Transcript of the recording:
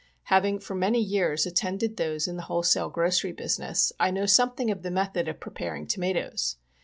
Having for many years attended those in the whole sale grocery business, I know something of the method of preparing tomatoes.